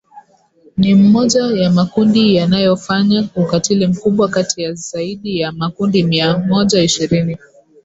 ni mmoja ya makundi yanayofanya ukatili mkubwa kati ya zaidi ya makundi mia moja ishirini